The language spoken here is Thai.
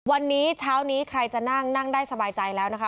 วันนี้เช้านี้ใครจะนั่งนั่งได้สบายใจแล้วนะคะ